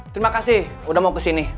terima kasih udah mau kesini